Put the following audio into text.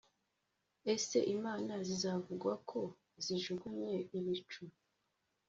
ese imana zizavugwa ko zijugunye ibicu